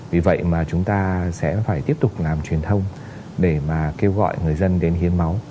vì vậy mà chúng ta sẽ phải tiếp tục làm truyền thông để mà kêu gọi người dân đến hiến máu